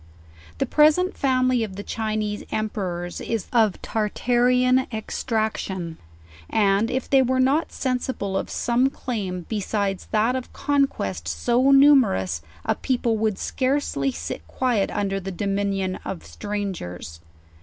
The present family of the Chinese emperors is of Tartarian extraction; and if they were not sensible of some claim beside that of conquest so numerous a people would scarcely sit quiet under the dominion of stran gers.